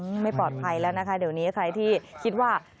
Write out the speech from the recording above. ไม่ปลอดภัยแล้วนะคะเดี๋ยวนี้ใครที่คิดว่า